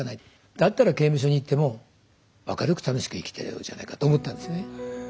だったら刑務所に行っても明るく楽しく生きてようじゃないか」と思ったんですね。